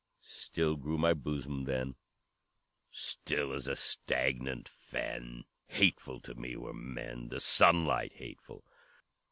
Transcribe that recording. "Still grew my bosom then, Still as a stagnant fen! Hateful to me were men, The sunlight hateful!